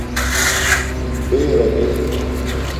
غُنڈݵرݳ دݵک.